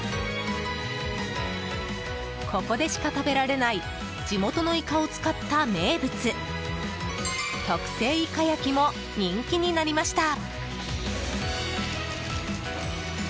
ここでしか食べられない地元のイカを使った名物、特製イカ焼きも人気になりました。